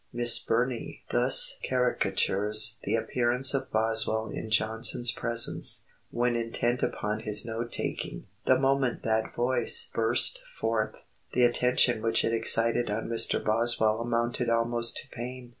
Miss Burney thus caricatures the appearance of Boswell in Johnson's presence, when intent upon his note taking: 'The moment that voice burst forth, the attention which it excited on Mr. Boswell amounted almost to pain.